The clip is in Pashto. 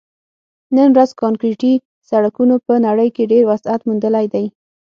نن ورځ کانکریټي سړکونو په نړۍ کې ډېر وسعت موندلی دی